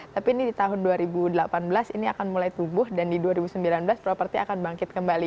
tapi ini di tahun dua ribu delapan belas ini akan mulai tumbuh dan di dua ribu sembilan belas properti akan bangkit kembali